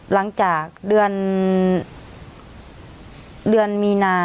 หลังจากเดือนมีนา